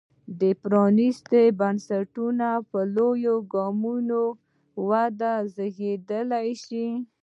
د پرانېستو بنسټونو په لور ګامونه وده زېږولی شي.